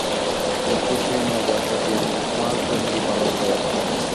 কিন্তু সে নয়, যার প্রতি আমার প্রতিপালক দয়া করেন।